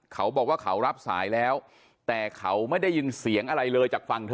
เขาบอกว่าเขารับสายแล้วแต่เขาไม่ได้ยินเสียงอะไรเลยจากฝั่งเธอ